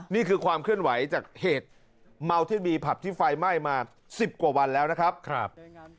นี่คือความเคลื่อนไหวจากเหตุเมาที่มีผับที่ไฟไหม้มา๑๐กว่าวันแล้วนะครับ